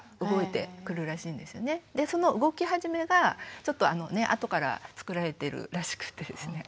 でその動き始めがちょっと後から作られているらしくてですね。